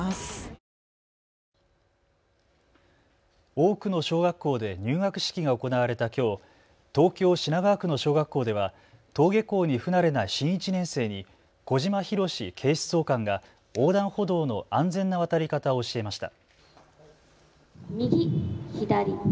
多くの小学校で入学式が行われたきょう、東京品川区の小学校では登下校に不慣れな新１年生に小島裕史警視総監が横断歩道の安全な渡り方を教えました。